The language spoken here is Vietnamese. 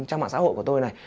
trong mạng xã hội của tôi này